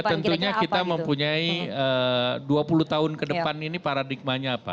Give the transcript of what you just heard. tentunya kita mempunyai dua puluh tahun ke depan ini paradigmanya apa